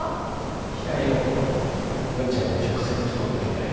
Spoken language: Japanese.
ひかりのことむっちゃんに直接聞こうと思って。